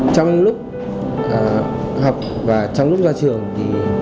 trong lúc học và trong lúc ra trường thì